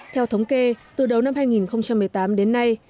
theo thống kê từ đầu năm hai nghìn một mươi tám đến nay